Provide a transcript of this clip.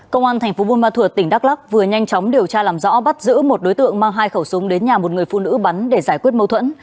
công an tp bunma thuật tỉnh đắk lắk vừa nhanh chóng điều tra làm rõ bắt giữ một đối tượng mang hai khẩu súng đến nhà một người phụ nữ bắn để giải quyết mâu thuẫn